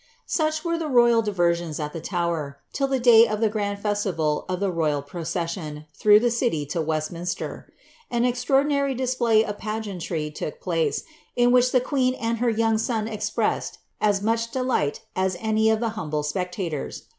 Sticli were the royal diversions at the Tower, till ilie day of llit fui feaiival of the Toral procession, through ihe city, lo WesuninaWF. Ai cMraordinary display of pageantry took place, in which the qttwn nJ her young son expressed as much delight as any of (he humble wpetUf tors.